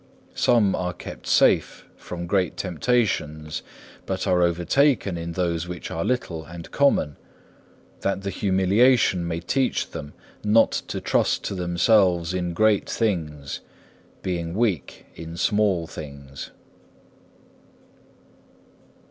Some are kept safe from great temptations, but are overtaken in those which are little and common, that the humiliation may teach them not to trust to themselves in great things, being weak in small things.